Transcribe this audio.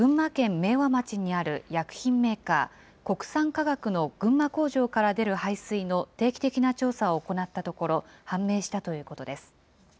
明和町にある薬品メーカー、国産化学の群馬工場から出る排水の定期的な調査を行ったところ、判明したということです。